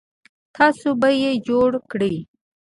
تاسو به یې جوړ کړئ